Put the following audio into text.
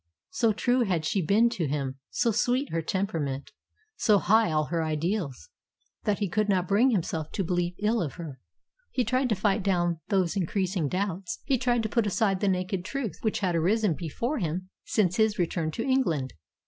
So true had she been to him, so sweet her temperament, so high all her ideals, that he could not bring himself to believe ill of her. He tried to fight down those increasing doubts. He tried to put aside the naked truth which had arisen before him since his return to England.